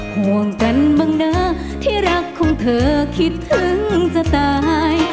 ห่วงกันบ้างนะที่รักของเธอคิดถึงจะตาย